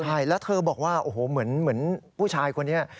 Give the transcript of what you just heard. ใช่แล้วเธอบอกว่าโอ้โหเหมือนผู้ชายคนนี้